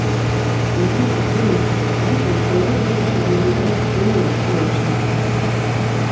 Aiz loga tumsa, pa atvērto logu iekšā nāk gaiss un ielas trokšņi.